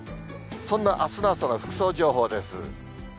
そんなあすの朝の服装情報です。